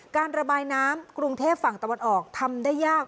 การระบายน้ำกรุงเทพฝั่งตะวันออกทำได้ยาก